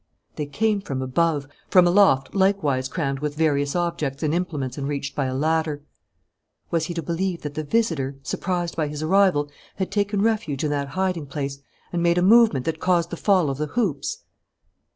They came from above, from a loft likewise crammed with various objects and implements and reached by a ladder. Was he to believe that the visitor, surprised by his arrival, had taken refuge in that hiding place and made a movement that caused the fall of the hoops?